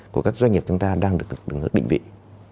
của các doanh nghiệp chúng ta đang được cải thiện